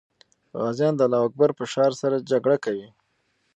غازیان د الله اکبر په شعار سره جګړه کوي.